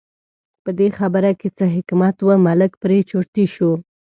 په دې خبره کې څه حکمت و، ملک پرې چرتي شو.